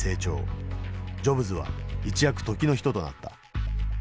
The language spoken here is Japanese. ジョブズは一躍時の人となった。